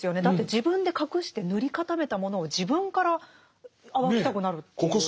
だって自分で隠して塗り固めたものを自分から暴きたくなるっていう。